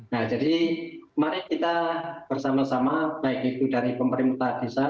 nah jadi mari kita bersama sama baik itu dari pemerintah desa